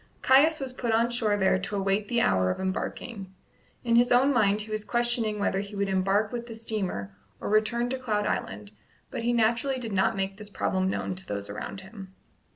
Caius was put on shore there to await the hour of embarking. In his own mind he was questioning whether he would embark with the steamer or return to Cloud Island; but he naturally did not make this problem known to those around him.